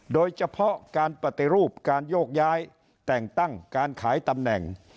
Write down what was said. โดยเฉพาะการปฏิรูปการโยกย้ายแต่งตั้งการขายตำแหน่ง